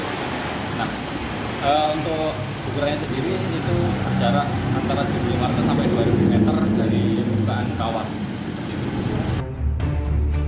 nah untuk gugurannya sendiri itu jarak antara satu lima sampai dua meter dari permukaan kawas